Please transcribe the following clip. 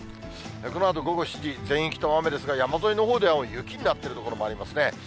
このあと午後７時、全域とも雨ですが、山沿いのほうでは雪になっている所もありますね。